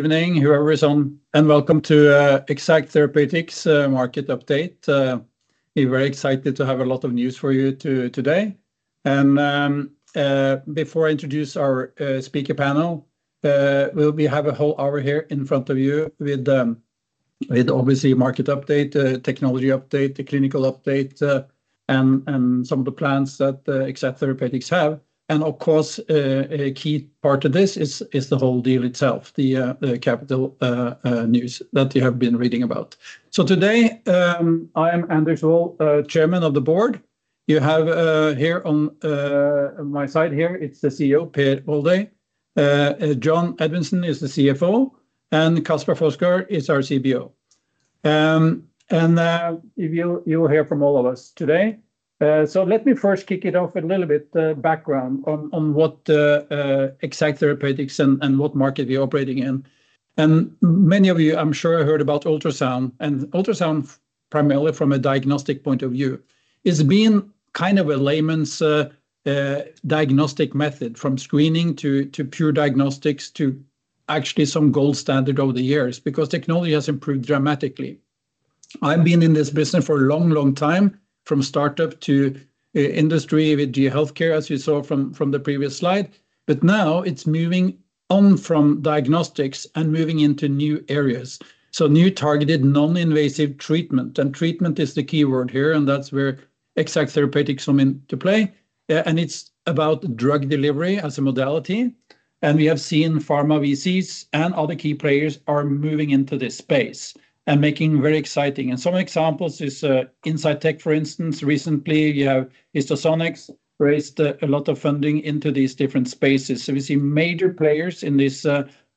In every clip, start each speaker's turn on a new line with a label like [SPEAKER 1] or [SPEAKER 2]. [SPEAKER 1] Evening, whoever is on, and welcome to EXACT Therapeutics market update. We're very excited to have a lot of news for you today. Before I introduce our speaker panel, we'll have a whole hour here in front of you with obviously market update, technology update, the clinical update, and some of the plans that EXACT Therapeutics have. Of course, a key part of this is the whole deal itself, the capital news that you have been reading about. So today, I am Anders Wold, chairman of the board. You have here on my side, it's the CEO, Per Walday. John Edvin is the CFO, and Kasper Fosgaard is our CBO. You'll hear from all of us today. Let me first kick it off with a little bit background on what EXACT Therapeutics and what market we're operating in. Many of you, I'm sure I heard about ultrasound, and ultrasound, primarily from a diagnostic point of view, has been kind of a layman's diagnostic method, from screening to pure diagnostics to actually some gold standard over the years, because technology has improved dramatically. I've been in this business for a long, long time, from startup to industry with GE HealthCare, as you saw from the previous slide, but now it's moving on from diagnostics and moving into new areas, so new targeted non-invasive treatment. Treatment is the key word here, and that's where EXACT Therapeutics come into play. It's about drug delivery as a modality, and we have seen pharma VCs and other key players are moving into this space and making very exciting and some examples is, Insightec, for instance, recently you have HistoSonics raised, a lot of funding into these different spaces. So we see major players in this,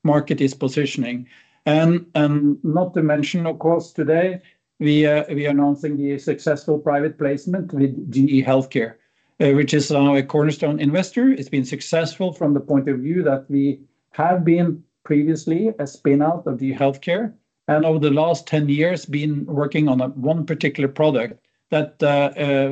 [SPEAKER 1] market is positioning. And, and not to mention, of course, today we, we are announcing the successful private placement with GE HealthCare, which is now a cornerstone investor. It's been successful from the point of view that we have been previously a spin-out of GE HealthCare and over the last 10 years been working on one particular product that,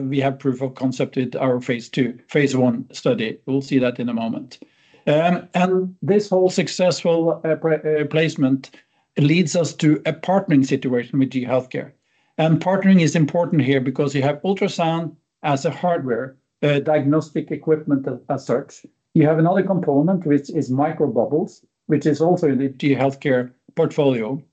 [SPEAKER 1] we have proof of concept with our phase II, phase I study. We'll see that in a moment. And this whole successful, private placement leads us to a partnering situation with GE HealthCare. And partnering is important here because you have ultrasound as a hardware, diagnostic equipment as such. You have another component which is microbubbles, which is also in the GE HealthCare portfolio.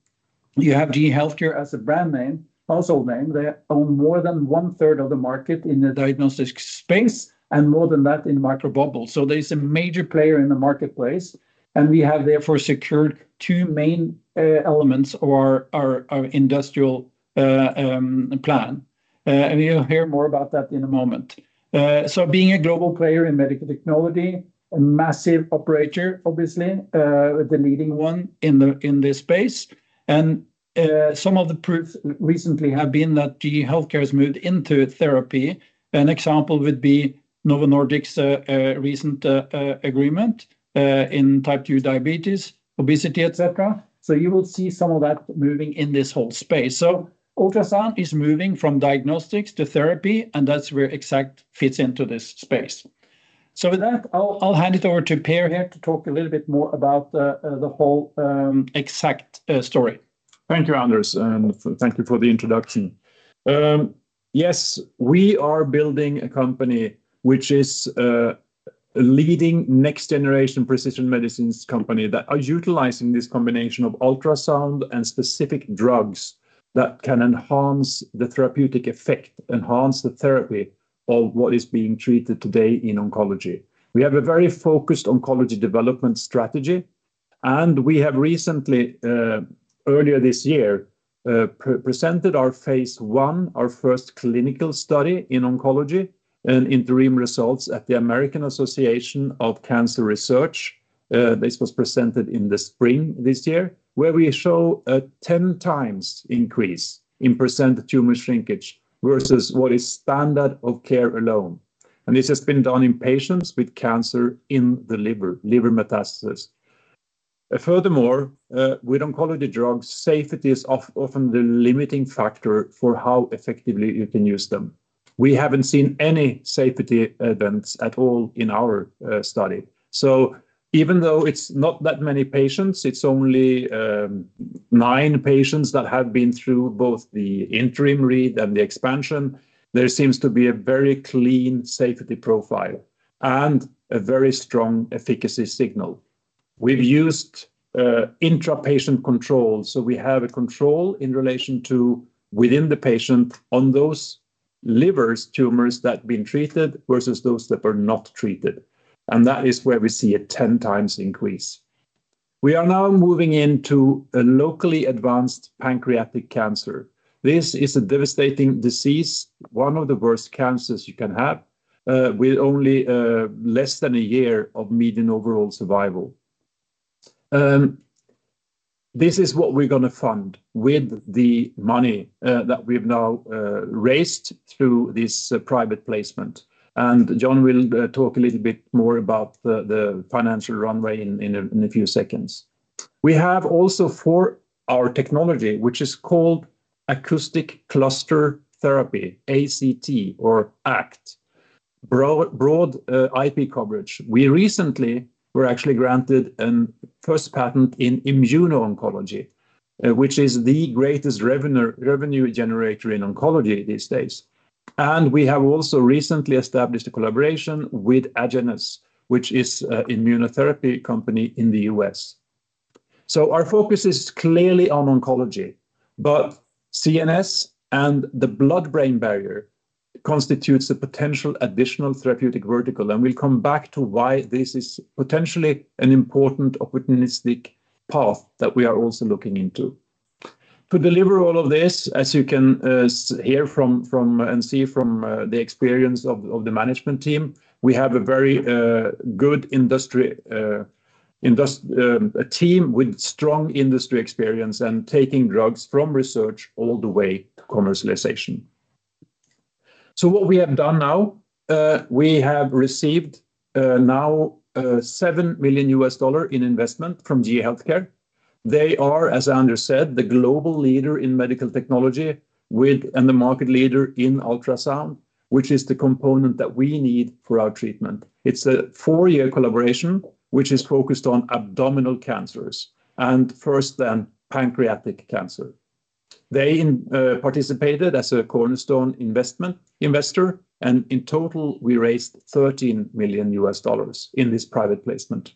[SPEAKER 1] You have GE HealthCare as a brand name, household name. They own more than one-third of the market in the diagnostic space and more than that in microbubbles. So there's a major player in the marketplace, and we have therefore secured two main elements of our industrial plan. And you'll hear more about that in a moment. So being a global player in medical technology, a massive operator, obviously, the leading one in this space. And some of the proofs recently have been that GE HealthCare has moved into therapy. An example would be Novo Nordisk's recent agreement in type 2 diabetes, obesity, etc. So you will see some of that moving in this whole space. So ultrasound is moving from diagnostics to therapy, and that's where EXACT fits into this space. So with that, I'll hand it over to Per here to talk a little bit more about the whole EXACT story.
[SPEAKER 2] Thank you, Anders, and thank you for the introduction. Yes, we are building a company which is, a leading next-generation precision medicines company that are utilizing this combination of ultrasound and specific drugs that can enhance the therapeutic effect, enhance the therapy of what is being treated today in oncology. We have a very focused oncology development strategy, and we have recently, earlier this year, pre-presented our phase I, our first clinical study in oncology and interim results at the American Association for Cancer Research. This was presented in the spring this year, where we show a 10x increase in percent tumor shrinkage versus what is standard of care alone. And this has been done in patients with cancer in the liver, liver metastasis. Furthermore, with oncology drugs, safety is often the limiting factor for how effectively you can use them. We haven't seen any safety events at all in our study. So even though it's not that many patients, it's only 9 patients that have been through both the interim read and the expansion, there seems to be a very clean safety profile and a very strong efficacy signal. We've used intrapatient control, so we have a control in relation to within the patient on those liver tumors that have been treated versus those that are not treated, and that is where we see a 10x increase. We are now moving into a locally advanced pancreatic cancer. This is a devastating disease, one of the worst cancers you can have, with only less than a year of median overall survival. This is what we're going to fund with the money that we've now raised through this private placement. And John will talk a little bit more about the financial runway in a few seconds. We have also for our technology, which is called Acoustic Cluster Therapy, ACT, or ACT, broad IP coverage. We recently were actually granted a first patent in immuno-oncology, which is the greatest revenue generator in oncology these days. And we have also recently established a collaboration with Agenus, which is an immunotherapy company in the U.S. So our focus is clearly on oncology, but CNS and the blood-brain barrier constitute the potential additional therapeutic vertical, and we'll come back to why this is potentially an important opportunistic path that we are also looking into. To deliver all of this, as you can hear from and see from the experience of the management team, we have a very good industry team with strong industry experience and taking drugs from research all the way to commercialization. So what we have done now, we have received $7 million in investment from GE HealthCare. They are, as Anders said, the global leader in medical technology and the market leader in ultrasound, which is the component that we need for our treatment. It's a four-year collaboration which is focused on abdominal cancers and first then pancreatic cancer. They participated as a cornerstone investor, and in total we raised $13 million in this private placement.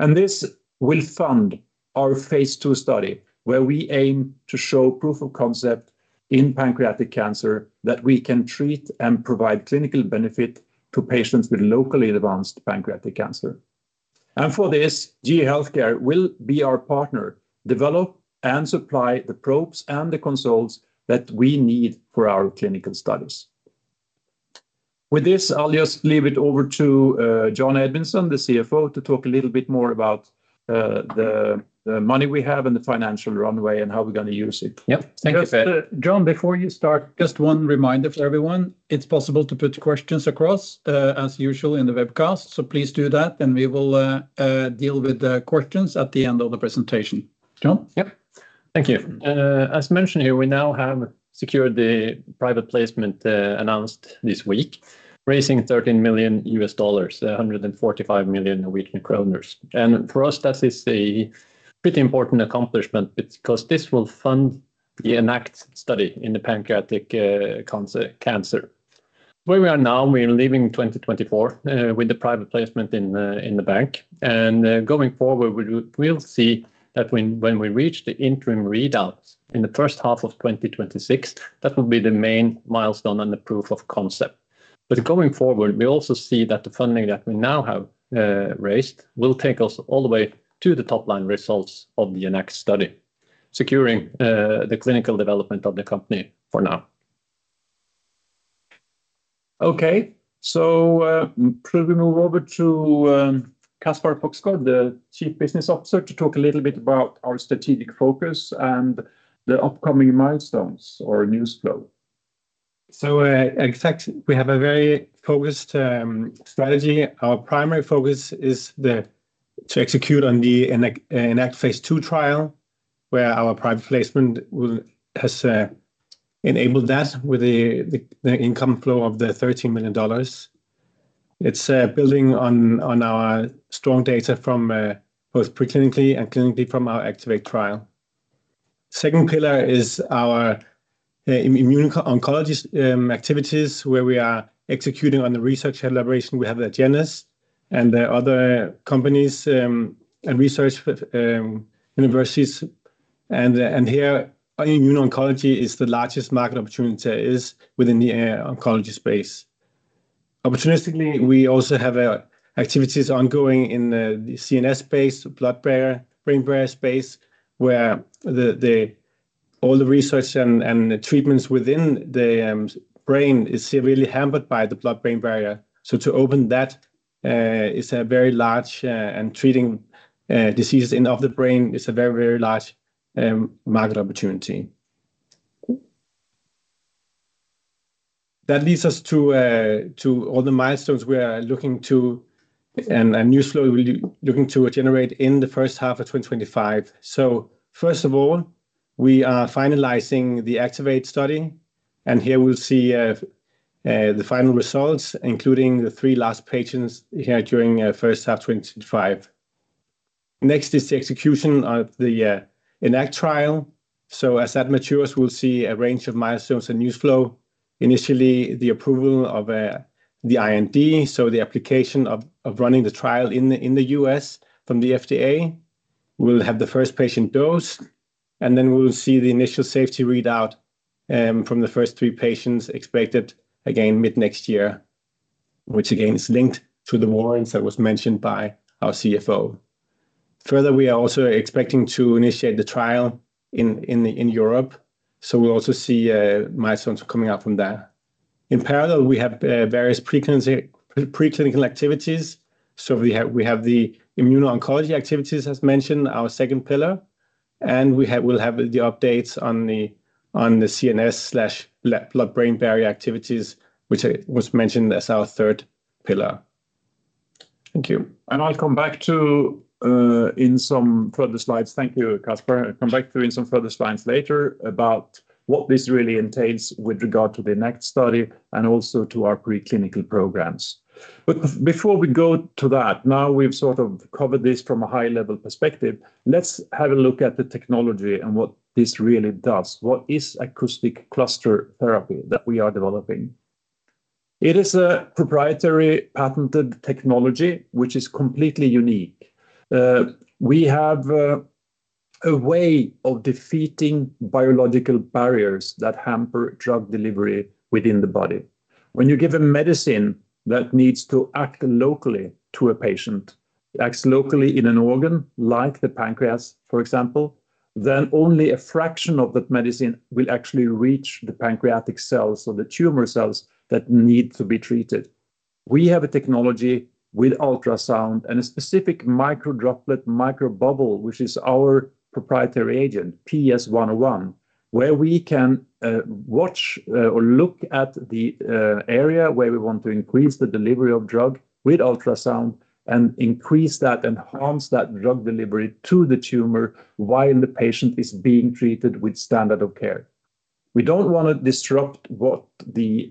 [SPEAKER 2] This will fund our phase II study where we aim to show proof of concept in pancreatic cancer that we can treat and provide clinical benefit to patients with locally advanced pancreatic cancer. For this, GE HealthCare will be our partner, develop and supply the probes and the consoles that we need for our clinical studies. With this, I'll just leave it over to John Edvin Pedersen, the CFO, to talk a little bit more about the money we have and the financial runway and how we're going to use it.
[SPEAKER 3] Yep, thank you, Per.
[SPEAKER 1] Just, John, before you start, just one reminder for everyone. It's possible to put questions across, as usual in the webcast, so please do that, and we will deal with the questions at the end of the presentation. John?
[SPEAKER 3] Yep, thank you. As mentioned here, we now have secured the private placement, announced this week, raising $13 million, 145 million Norwegian kroner in kroner. For us, that is a pretty important accomplishment because this will fund the EnACT study in the pancreatic cancer. Where we are now, we're leaving 2024, with the private placement in the bank, and going forward, we'll see that when we reach the interim readout in the first half of 2026, that will be the main milestone and the proof of concept. But going forward, we also see that the funding that we now have raised will take us all the way to the top-line results of the EnACT study, securing the clinical development of the company for now.
[SPEAKER 1] Okay, so, shall we move over to Kasper Fosgaard, the Chief Business Officer, to talk a little bit about our strategic focus and the upcoming milestones or news flow?
[SPEAKER 4] So, EXACT, we have a very focused strategy. Our primary focus is to execute on the EnACT phase II trial where our private placement has enabled that with the income flow of the $13 million. It's building on our strong data from both preclinically and clinically from our ACTivate trial. Second pillar is our immuno-oncology activities where we are executing on the research collaboration. We have Agenus and other companies and research universities. And here, immuno-oncology is the largest market opportunity there is within the oncology space. Opportunistically, we also have activities ongoing in the CNS space, blood-brain barrier space, where all the research and treatments within the brain is severely hampered by the blood-brain barrier. So to open that is a very large, and treating diseases of the brain is a very, very large market opportunity. That leads us to all the milestones we are looking to and news flow we're looking to generate in the first half of 2025. So first of all, we are finalizing the EnACT study, and here we'll see the final results, including the three last patients here during the first half of 2025. Next is the execution of the EnACT trial. So as that matures, we'll see a range of milestones and news flow. Initially, the approval of the IND, so the application of running the trial in the U.S. from the FDA, we'll have the first patient dosed, and then we'll see the initial safety readout from the first three patients expected again mid-next year, which again is linked to the warrants that was mentioned by our CFO. Further, we are also expecting to initiate the trial in Europe, so we'll also see milestones coming out from that. In parallel, we have various preclinical activities. So we have the immuno-oncology activities, as mentioned, our second pillar, and we'll have the updates on the CNS/blood-brain barrier activities, which was mentioned as our third pillar. Thank you.
[SPEAKER 2] I'll come back to in some further slides, thank you, Kasper. I'll come back to in some further slides later about what this really entails with regard to the EnACT study and also to our preclinical programs. But before we go to that, now we've sort of covered this from a high-level perspective. Let's have a look at the technology and what this really does. What is Acoustic Cluster Therapy that we are developing? It is a proprietary patented technology which is completely unique. We have a way of defeating biological barriers that hamper drug delivery within the body. When you give a medicine that needs to act locally to a patient, it acts locally in an organ like the pancreas, for example, then only a fraction of that medicine will actually reach the pancreatic cells or the tumor cells that need to be treated. We have a technology with ultrasound and a specific microdroplet microbubble, which is our proprietary agent, PS101, where we can watch or look at the area where we want to increase the delivery of drug with ultrasound and increase that and enhance that drug delivery to the tumor while the patient is being treated with standard of care. We don't want to disrupt what the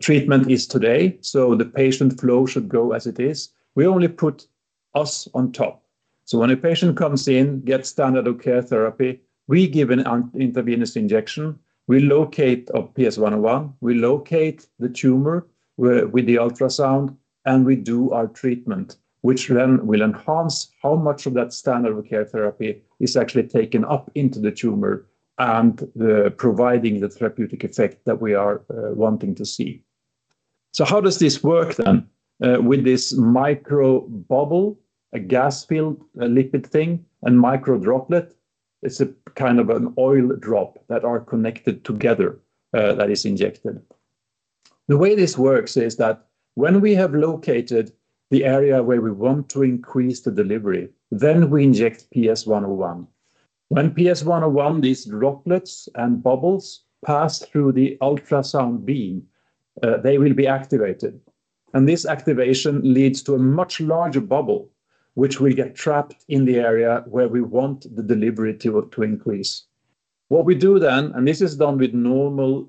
[SPEAKER 2] treatment is today, so the patient flow should go as it is. We only put us on top. So when a patient comes in, gets standard of care therapy, we give an intravenous injection, we locate PS101, we locate the tumor with the ultrasound, and we do our treatment, which then will enhance how much of that standard of care therapy is actually taken up into the tumor and providing the therapeutic effect that we are wanting to see. So how does this work then, with this microbubble, a gas-filled lipid thing, and microdroplet? It's a kind of an oil drop that are connected together, that is injected. The way this works is that when we have located the area where we want to increase the delivery, then we inject PS101. When PS101, these droplets and bubbles pass through the ultrasound beam, they will be activated, and this activation leads to a much larger bubble which will get trapped in the area where we want the delivery to to increase. What we do then, and this is done with normal,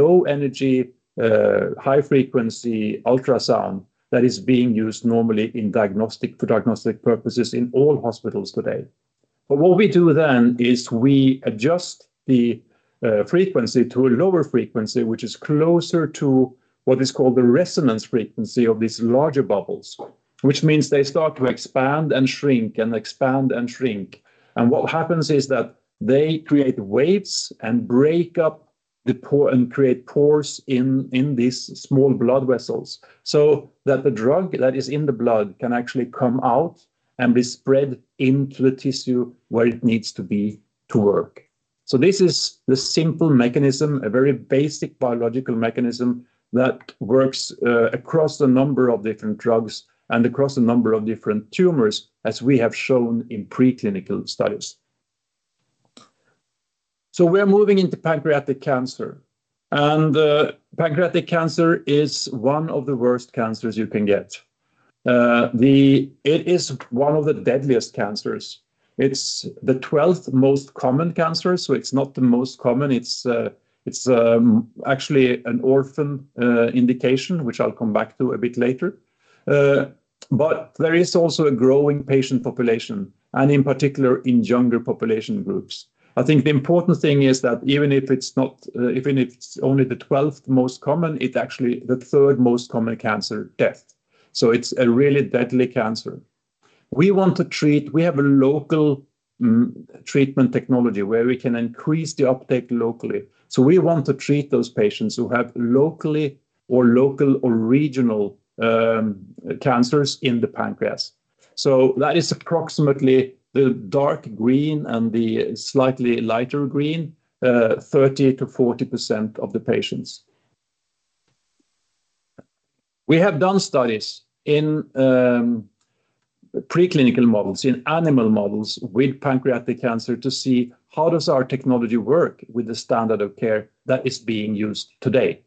[SPEAKER 2] low-energy, high-frequency ultrasound that is being used normally in diagnostic for diagnostic purposes in all hospitals today. But what we do then is we adjust the frequency to a lower frequency, which is closer to what is called the resonance frequency of these larger bubbles, which means they start to expand and shrink and expand and shrink. And what happens is that they create waves and break up the pore and create pores in these small blood vessels so that the drug that is in the blood can actually come out and be spread into the tissue where it needs to be to work. So this is the simple mechanism, a very basic biological mechanism that works across a number of different drugs and across a number of different tumors, as we have shown in preclinical studies. So we are moving into pancreatic cancer, and pancreatic cancer is one of the worst cancers you can get. It is one of the deadliest cancers. It's the 12th most common cancer, so it's not the most common. It's actually an orphan indication, which I'll come back to a bit later. But there is also a growing patient population, and in particular in younger population groups. I think the important thing is that even if it's not, even if it's only the 12th most common, it's actually the 3rd most common cancer death. So it's a really deadly cancer. We want to treat we have a local treatment technology where we can increase the uptake locally. So we want to treat those patients who have locally or local or regional cancers in the pancreas. So that is approximately the dark green and the slightly lighter green, 30%-40% of the patients. We have done studies in preclinical models, in animal models with pancreatic cancer to see how does our technology work with the standard of care that is being used today.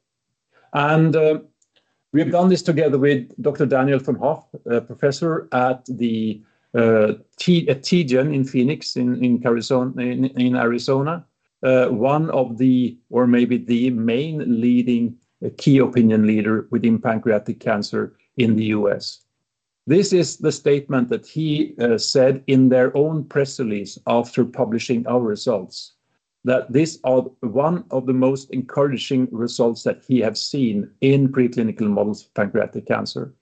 [SPEAKER 2] We have done this together with Dr. Daniel Von Hoff, a professor at TGen in Phoenix, in Arizona, one of the or maybe the main leading key opinion leader within pancreatic cancer in the U.S. This is the statement that he said in their own press release after publishing our results, that this are one of the most encouraging results that he has seen in preclinical models of pancreatic cancer,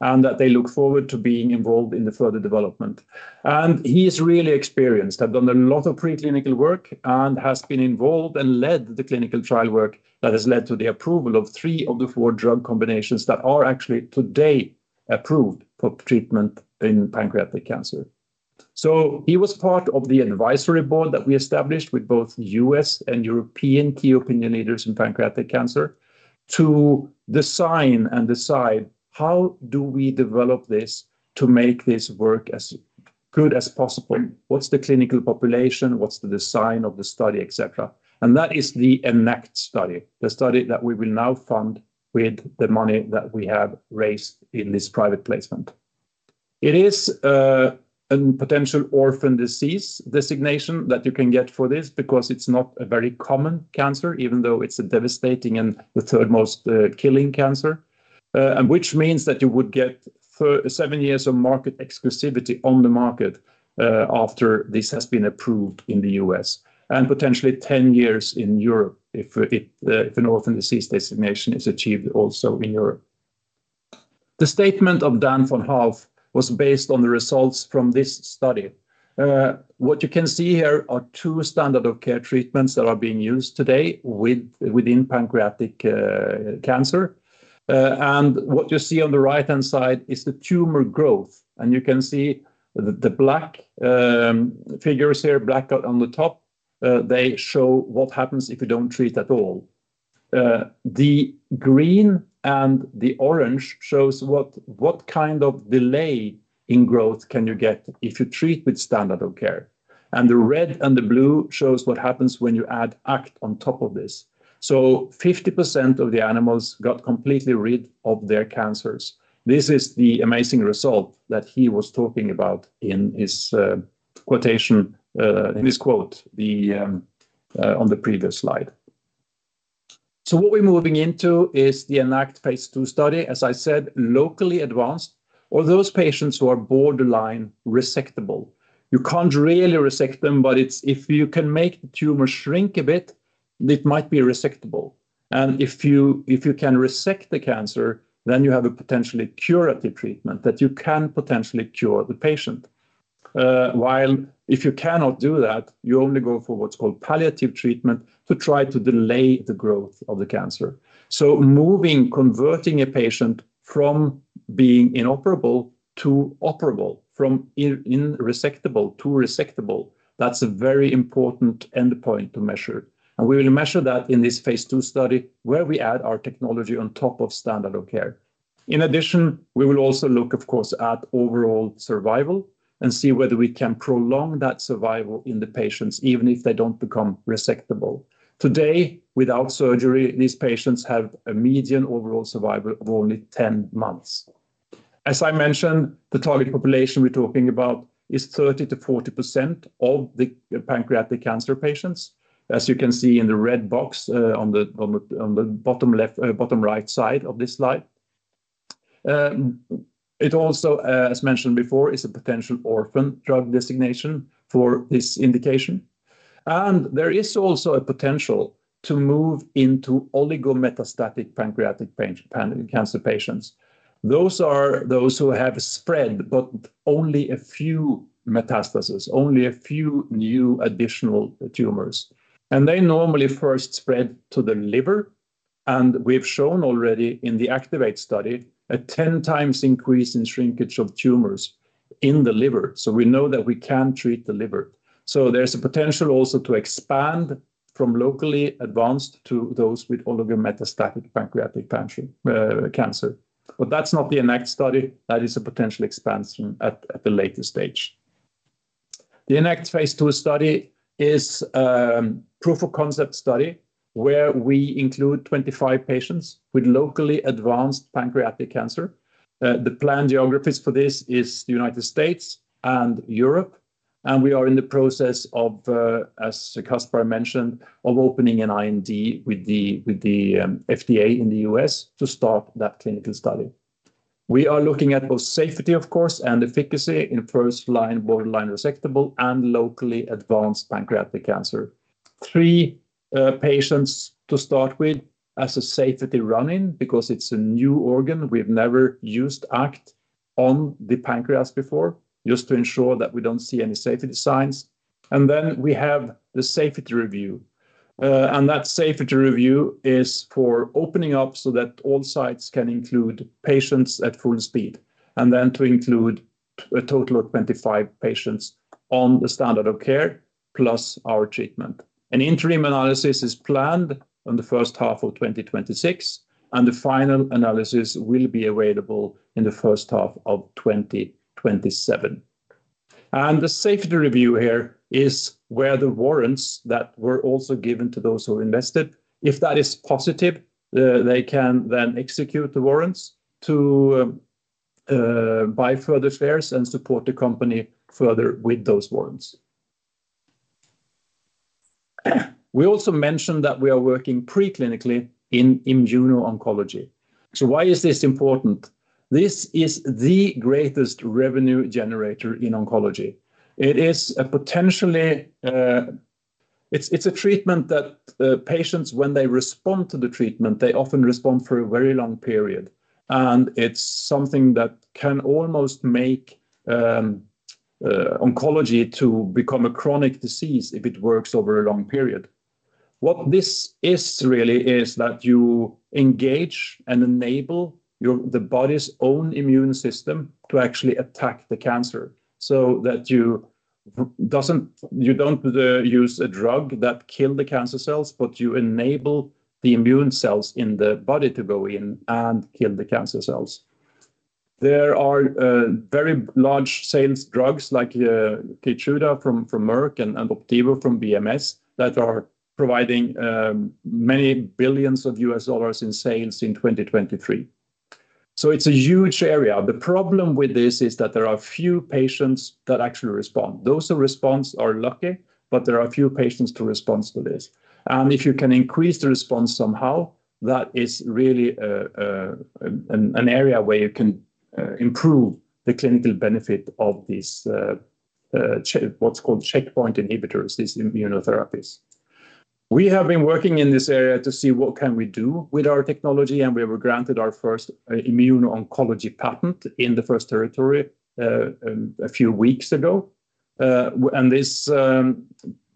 [SPEAKER 2] and that they look forward to being involved in the further development. He is really experienced, has done a lot of preclinical work, and has been involved and led the clinical trial work that has led to the approval of three of the four drug combinations that are actually today approved for treatment in pancreatic cancer. So he was part of the advisory board that we established with both U.S. and European key opinion leaders in pancreatic cancer to design and decide how do we develop this to make this work as good as possible. What's the clinical population? What's the design of the study, etc.? That is the EnACT study, the study that we will now fund with the money that we have raised in this private placement. It is a potential orphan drug designation that you can get for this because it's not a very common cancer, even though it's a devastating and the third most killing cancer, and which means that you would get seven years of market exclusivity on the market, after this has been approved in the U.S., and potentially 10 years in Europe if it, if an orphan drug designation is achieved also in Europe. The statement of Daniel Von Hoff was based on the results from this study. What you can see here are two standard-of-care treatments that are being used today within pancreatic cancer. What you see on the right-hand side is the tumor growth, and you can see the black figures here, black on the top. They show what happens if you don't treat at all. The green and the orange shows what kind of delay in growth can you get if you treat with standard of care, and the red and the blue shows what happens when you add ACT on top of this. So 50% of the animals got completely rid of their cancers. This is the amazing result that he was talking about in his quotation in his quote on the previous slide. So what we're moving into is the EnACT While if you cannot do that, you only go for what's called palliative treatment to try to delay the growth of the cancer. So moving, converting a patient from being inoperable to operable, from unresectable to resectable, that's a very important endpoint to measure. We will measure that in this phase II study where we add our technology on top of standard of care. In addition, we will also look, of course, at overall survival and see whether we can prolong that survival in the patients, even if they don't become resectable. Today, without surgery, these patients have a median overall survival of only 10 months. As I mentioned, the target population we're talking about is 30%-40% of the pancreatic cancer patients, as you can see in the red box, on the bottom left, bottom right side of this slide. It also, as mentioned before, is a potential orphan drug designation for this indication, and there is also a potential to move into oligometastatic pancreatic cancer patients. Those who have spread but only a few metastases, only a few new additional tumors, and they normally first spread to the liver. And we've shown already in the EnACT study a 10x increase in shrinkage of tumors in the liver, so we know that we can treat the liver. So there's a potential also to expand from locally advanced to those with oligometastatic pancreatic cancer, but that's not the EnACTed study. That is a potential expansion at the latest stage. The EnACT phase II study is a proof of concept study where we include 25 patients with locally advanced pancreatic cancer. The planned geographies for this are the United States and Europe, and we are in the process of, as Kasper mentioned, opening an IND with the FDA in the US to start that clinical study. We are looking at both safety, of course, and efficacy in first-line borderline resectable and locally advanced pancreatic cancer. 3 patients to start with as a safety run-in because it's a new organ. We've never used ACT on the pancreas before, just to ensure that we don't see any safety signs. And then we have the safety review, and that safety review is for opening up so that all sites can include patients at full speed, and then to include a total of 25 patients on the standard of care plus our treatment. An interim analysis is planned on the first half of 2026, and the final analysis will be available in the first half of 2027. And the safety review here is where the warrants that were also given to those who invested, if that is positive, they can then execute the warrants to, buy further shares and support the company further with those warrants. We also mentioned that we are working preclinically in immuno-oncology. So why is this important? This is the greatest revenue generator in oncology. It is a potentially, it's it's a treatment that, patients, when they respond to the treatment, they often respond for a very long period, and it's something that can almost make, oncology to become a chronic disease if it works over a long period. What this really is is that you engage and enable the body's own immune system to actually attack the cancer so that you don't use a drug that kills the cancer cells, but you enable the immune cells in the body to go in and kill the cancer cells. There are very large sales drugs like Keytruda from Merck and Opdivo from BMS that are providing many billions of dollars in sales in 2023. So it's a huge area. The problem with this is that there are few patients that actually respond. Those who respond are lucky, but there are few patients that respond to this. And if you can increase the response somehow, that is really an area where you can improve the clinical benefit of these, what's called checkpoint inhibitors, these immunotherapies. We have been working in this area to see what can we do with our technology, and we were granted our first immuno-oncology patent in the first territory, a few weeks ago. And this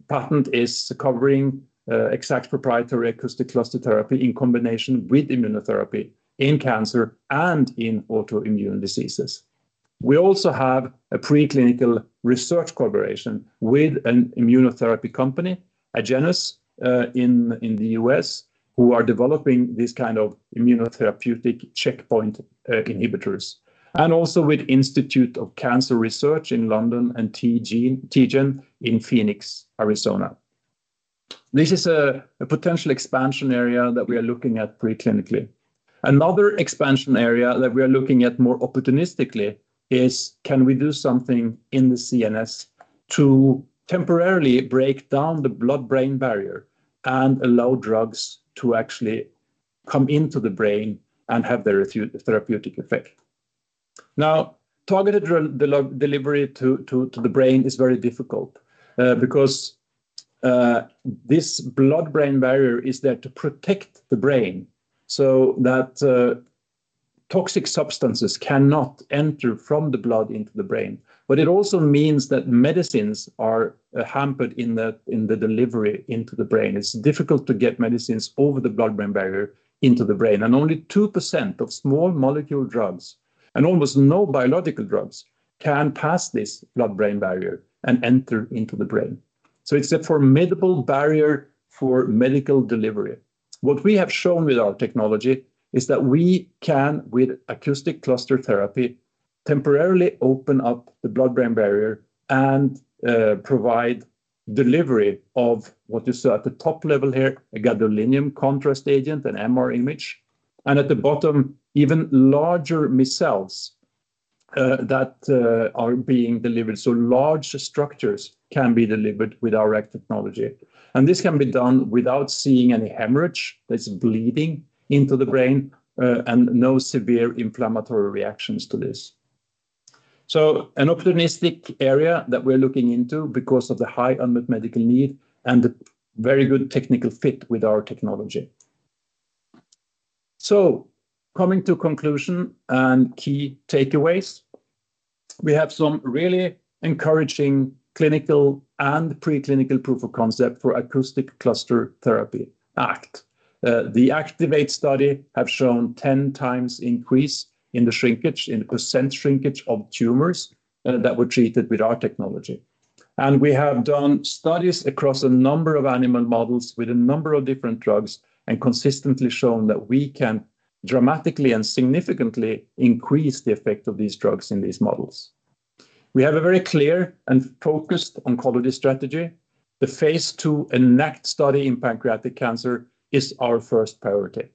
[SPEAKER 2] patent is covering EXACT proprietary Acoustic Cluster Therapy in combination with immunotherapy in cancer and in autoimmune diseases. We also have a preclinical research collaboration with an immunotherapy company, Agenus, in the U.S., who are developing this kind of immunotherapeutic checkpoint inhibitors, and also with The Institute of Cancer Research in London and TGen in Phoenix, Arizona. This is a potential expansion area that we are looking at preclinically. Another expansion area that we are looking at more opportunistically is can we do something in the CNS to temporarily break down the blood-brain barrier and allow drugs to actually come into the brain and have their therapeutic effect. Now, targeted delivery to the brain is very difficult, because this blood-brain barrier is there to protect the brain so that toxic substances cannot enter from the blood into the brain. But it also means that medicines are hampered in the delivery into the brain. It's difficult to get medicines over the blood-brain barrier into the brain, and only 2% of small molecule drugs and almost no biological drugs can pass this blood-brain barrier and enter into the brain. So it's a formidable barrier for medical delivery. What we have shown with our technology is that we can with Acoustic Cluster Therapy temporarily open up the blood-brain barrier and provide delivery of what you saw at the top level here, a gadolinium contrast agent, an MR image, and at the bottom, even larger micelles that are being delivered. So large structures can be delivered with our ACT technology, and this can be done without seeing any hemorrhage that's bleeding into the brain, and no severe inflammatory reactions to this. So an opportunistic area that we're looking into because of the high unmet medical need and the very good technical fit with our technology. So coming to conclusion and key takeaways, we have some really encouraging clinical and preclinical proof of concept for Acoustic Cluster Therapy, ACT. The EnACT study has shown a 10x increase in the shrinkage, in the percent shrinkage of tumors, that were treated with our technology. And we have done studies across a number of animal models with a number of different drugs and consistently shown that we can dramatically and significantly increase the effect of these drugs in these models. We have a very clear and focused oncology strategy. The phase II EnAct study in pancreatic cancer is our first priority.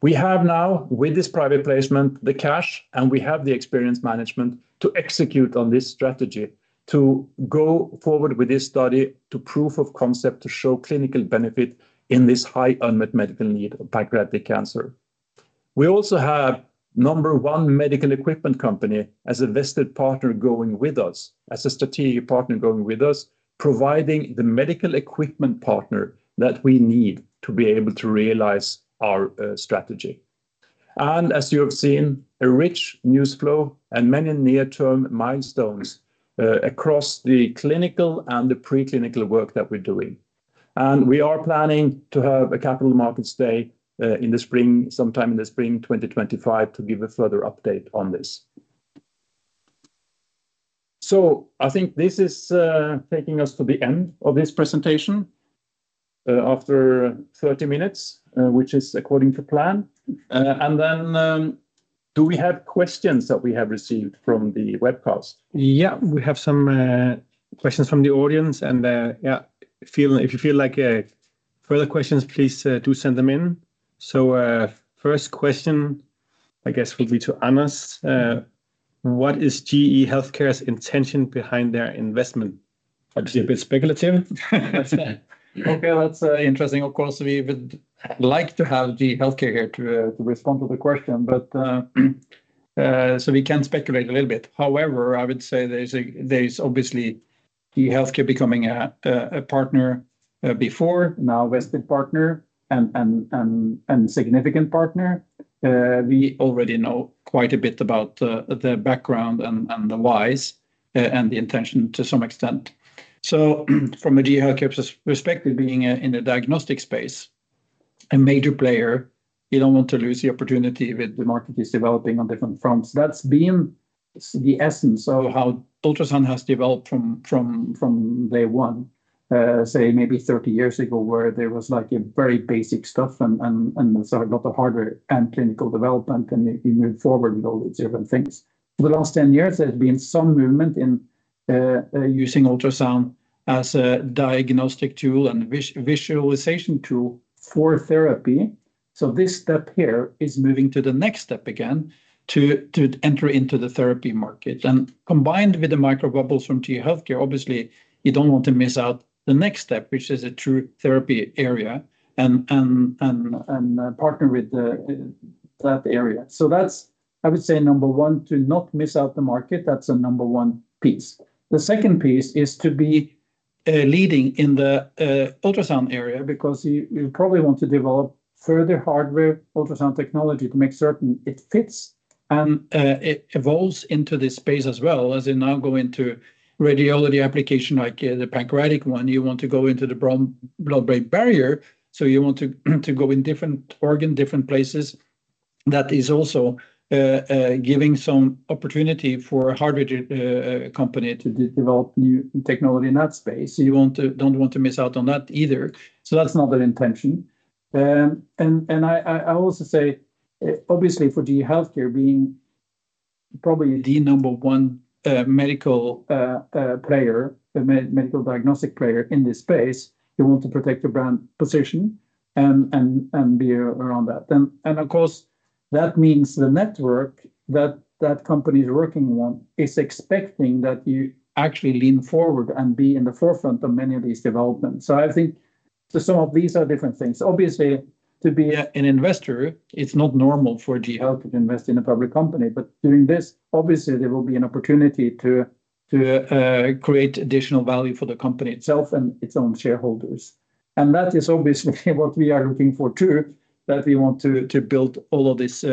[SPEAKER 2] We have now, with this private placement, the cash, and we have the experienced management to execute on this strategy, to go forward with this study to proof of concept, to show clinical benefit in this high unmet medical need of pancreatic cancer. We also have number one medical equipment company as an invested partner going with us, as a strategic partner going with us, providing the medical equipment partner that we need to be able to realize our strategy. As you have seen, a rich news flow and many near-term milestones, across the clinical and the preclinical work that we're doing. We are planning to have a Capital Markets Day, in the spring, sometime in the spring 2025, to give a further update on this. So I think this is taking us to the end of this presentation, after 30 minutes, which is according to plan. And then, do we have questions that we have received from the webcast?
[SPEAKER 1] Yeah, we have some questions from the audience, and yeah, feel if you feel like further questions, please do send them in. So, first question, I guess, would be to Anders. What is GE HealthCare's intention behind their investment? I'd be a bit speculative. That's okay, that's interesting. Of course, we would like to have GE HealthCare here to respond to the question, but so we can speculate a little bit. However, I would say there's obviously GE HealthCare becoming a partner, before now a vested partner and a significant partner. We already know quite a bit about the background and the whys and the intention to some extent. So from a GE HealthCare perspective, being in a diagnostic space, a major player, you don't want to lose the opportunity with the market is developing on different fronts. That's been the essence of how ultrasound has developed from day one, say maybe 30 years ago, where there was like a very basic stuff and there's a lot of hardware and clinical development, and you move forward with all these different things. For the last 10 years, there's been some movement in using ultrasound as a diagnostic tool and visualization tool for therapy. So this step here is moving to the next step again to enter into the therapy market. Combined with the microbubbles from GE HealthCare, obviously, you don't want to miss out the next step, which is a true therapy area and partner with that area. So that's, I would say, number one, to not miss out the market. That's a number one piece. The second piece is to be leading in the ultrasound area because you probably want to develop further hardware ultrasound technology to make certain it fits and it evolves into this space as well. As you now go into radiology application like the pancreatic one, you want to go into the blood-brain barrier. So you want to go in different organ, different places. That is also giving some opportunity for a hardware company to develop new technology in that space. So you want to don't want to miss out on that either. So that's not the intention. I also say, obviously for GE HealthCare being probably the number one medical player, the medical diagnostic player in this space, you want to protect your brand position and be around that. Of course, that means the network that company is working on is expecting that you actually lean forward and be in the forefront of many of these developments. So I think some of these are different things. Obviously, to be an investor, it's not normal for GE HealthCare to invest in a public company, but doing this, obviously, there will be an opportunity to create additional value for the company itself and its own shareholders. And that is obviously what we are looking for too, that we want to build all of this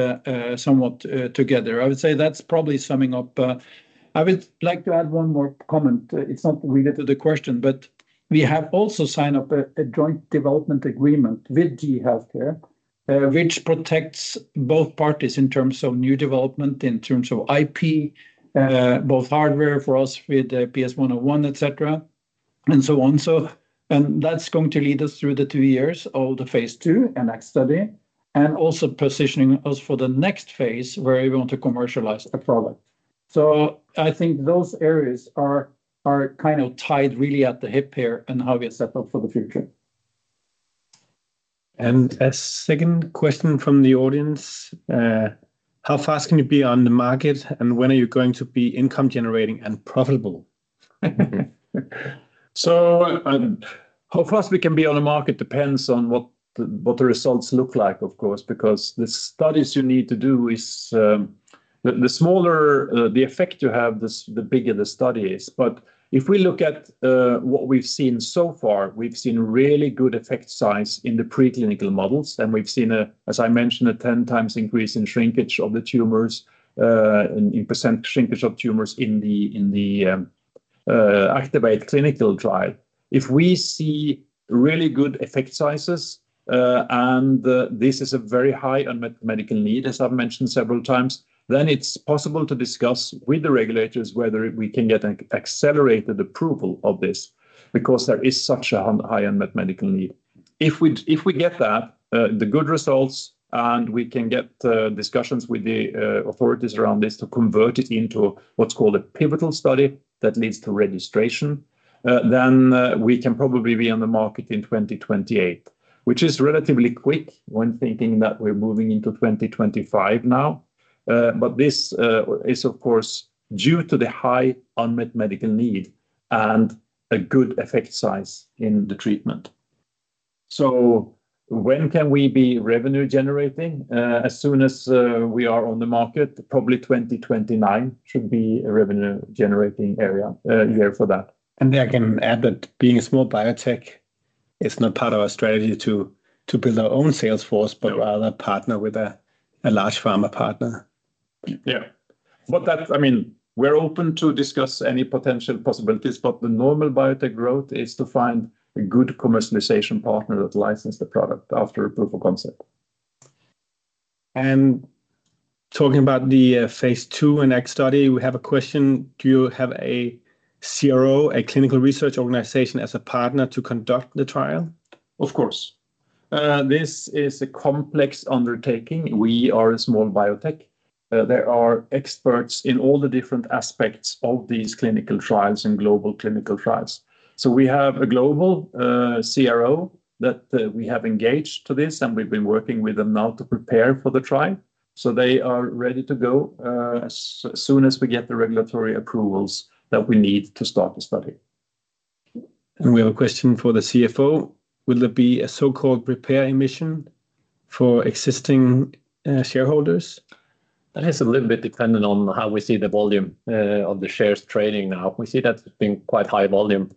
[SPEAKER 1] somewhat together. I would say that's probably summing up. I would like to add one more comment. It's not related to the question, but we have also signed up a joint development agreement with GE HealthCare, which protects both parties in terms of new development, in terms of IP, both hardware for us with the PS101, etc., and so on. So that's going to lead us through the 2 years, all the phase II and next study, and also positioning us for the next phase where we want to commercialize a product. So I think those areas are kind of tied really at the hip here and how we are set up for the future. And a second question from the audience, how fast can you be on the market and when are you going to be income-generating and profitable? So how fast we can be on the market depends on what the results look like, of course, because the studies you need to do is, the smaller the effect you have, the bigger the study is. But if we look at what we've seen so far, we've seen really good effect size in the preclinical models, and we've seen a, as I mentioned, a 10x increase in shrinkage of the tumors, in percent shrinkage of tumors in the Enact clinical trial. If we see really good effect sizes, and this is a very high unmet medical need, as I've mentioned several times, then it's possible to discuss with the regulators whether we can get an accelerated approval of this because there is such a high unmet medical need. If we if we get that, the good results and we can get discussions with the authorities around this to convert it into what's called a pivotal study that leads to registration, then we can probably be on the market in 2028, which is relatively quick when thinking that we're moving into 2025 now. But this is of course due to the high unmet medical need and a good effect size in the treatment. So when can we be revenue-generating? As soon as we are on the market, probably 2029 should be a revenue-generating area, year for that. And I can add that being a small biotech is not part of our strategy to build our own sales force, but rather partner with a large pharma partner. Yeah, but that's, I mean, we're open to discuss any potential possibilities, but the normal biotech growth is to find a good commercialization partner that licenses the product after approval concept.
[SPEAKER 2] And talking about the phase II and next study, we have a question. Do you have a CRO, a clinical research organization, as a partner to conduct the trial?
[SPEAKER 1] Of course. This is a complex undertaking. We are a small biotech. There are experts in all the different aspects of these clinical trials and global clinical trials. So we have a global CRO that we have engaged to this, and we've been working with them now to prepare for the trial. So they are ready to go, as soon as we get the regulatory approvals that we need to start the study. And we have a question for the CFO. Will there be a so-called repair emission for existing shareholders? That is a little bit dependent on how we see the volume of the shares trading now. We see that it's been quite high volume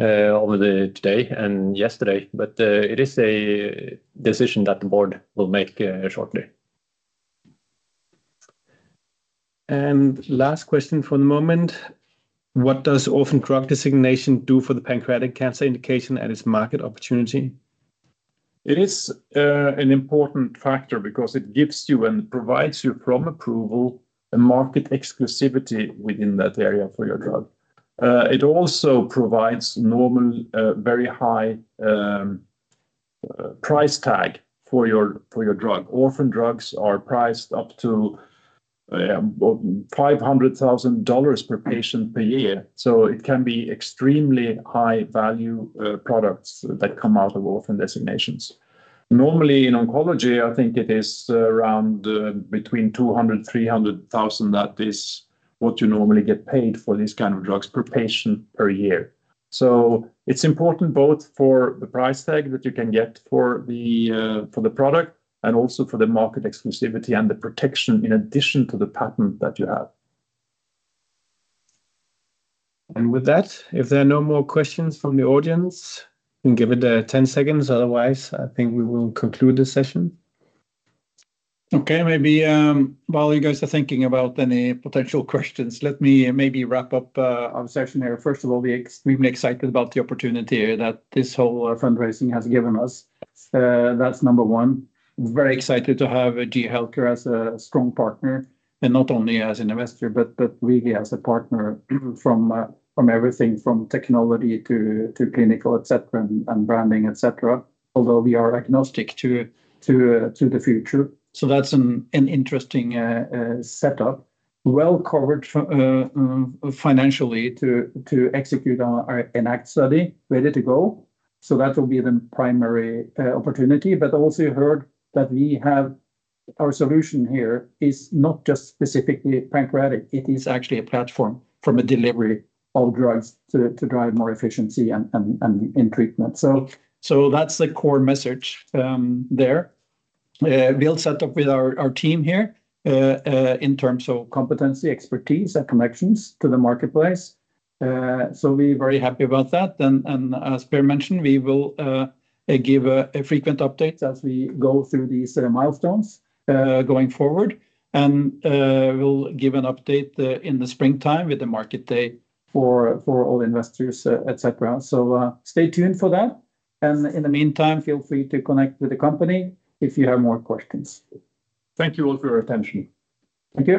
[SPEAKER 1] over the today and yesterday, but it is a decision that the board will make shortly.
[SPEAKER 2] Last question for the moment. What does Orphan drug designation do for the pancreatic cancer indication and its market opportunity?
[SPEAKER 1] It is an important factor because it gives you and provides you from approval a market exclusivity within that area for your drug. It also provides normal very high price tag for your for your drug. Orphan drugs are priced up to, yeah, $500,000 per patient per year. So it can be extremely high value products that come out of Orphan designations. Normally in oncology, I think it is around between $200,000-$300,000 that is what you normally get paid for these kind of drugs per patient per year. So it's important both for the price tag that you can get for the, for the product and also for the market exclusivity and the protection in addition to the patent that you have. With that, if there are no more questions from the audience, we can give it 10 seconds. Otherwise, I think we will conclude this session .
[SPEAKER 2] Okay, maybe while you guys are thinking about any potential questions, let me maybe wrap up our session here. First of all, we're extremely excited about the opportunity here that this whole fundraising has given us. That's number one. Very excited to have GE HealthCare as a strong partner and not only as an investor, but really as a partner from everything from technology to clinical, etc., and branding, etc., although we are agnostic to the future. So that's an interesting setup, well covered financially to execute our EnAct study, ready to go. So that will be the primary opportunity. But also you heard that our solution here is not just specifically pancreatic. It is actually a platform from a delivery of drugs to drive more efficiency and in treatment. So that's the core message there. We'll set up with our team here in terms of competency, expertise, and connections to the marketplace. So we're very happy about that. As Per mentioned, we will give frequent updates as we go through these milestones, going forward. We'll give an update in the springtime with the market day for all investors, etc. So, stay tuned for that. In the meantime, feel free to connect with the company if you have more questions. Thank you all for your attention. Thank you.